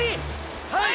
はい！